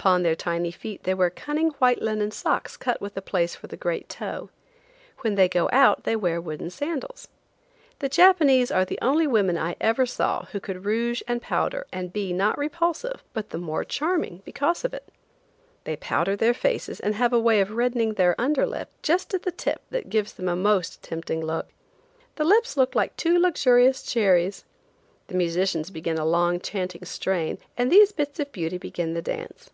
Upon their tiny feet they wear cunning white linen socks cut with a place for the great toe. When they go out they wear wooden sandals. The Japanese are the only women I ever saw who could rouge and powder and be not repulsive, but the more charming because of it. They powder their faces and have a way of reddening their under lip just at the tip that gives them a most tempting look. The lips look like two luxurious cherries. The musicians begin a long chanting strain, and these bits of beauty begin the dance.